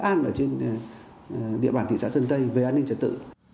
chúng tôi đã tập trung điều tra trên địa bàn thị xã sơn tây về an ninh trật tự